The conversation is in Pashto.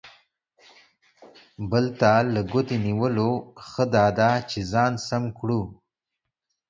بل ته له ګوتې نیولو، ښه دا ده چې ځان سم کړو.